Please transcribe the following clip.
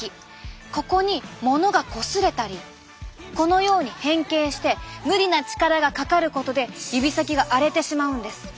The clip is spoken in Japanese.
ここにものがこすれたりこのように変形して無理な力がかかることで指先が荒れてしまうんです。